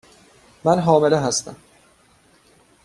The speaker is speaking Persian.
من حامله هستم.